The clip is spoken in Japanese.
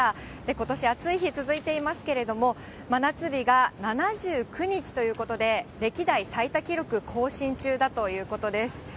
ことし暑い日続いていますけれども、真夏日が７９日ということで、歴代最多記録更新中だということです。